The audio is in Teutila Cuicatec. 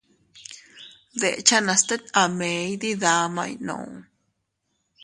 Deʼchanas tet a mee iydidamay nuu.